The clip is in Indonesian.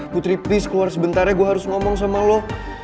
putri please keluar sebentar ya gue harus ngomong sama lo